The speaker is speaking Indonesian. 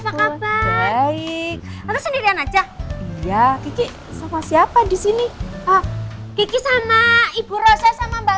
apa kabar baik atau sendirian aja ya kiki sama siapa di sini pak kiki sama ibu rosa sama mbak